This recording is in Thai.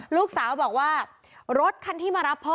ลูกสาวบอกว่ารถคันที่มารับพ่อ